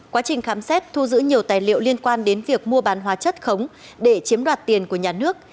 quá trình khám xét thu giữ nhiều tài liệu liên quan đến việc mua bán hóa chất khống để chiếm đoạt tiền của nhà nước